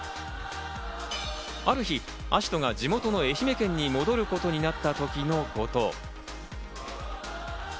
ある日、葦人が地元の愛媛県に戻ることになったときのこと。